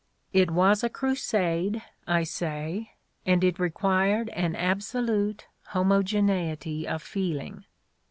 It was a crusade, I say, and it required an absolute homogeneity of feeling.